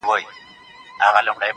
زما او ستا په جدايۍ خوشحاله,